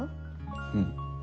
うん。